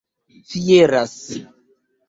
fieras